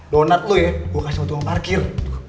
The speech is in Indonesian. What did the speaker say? donat lu ya gua kasih sama tuang parkir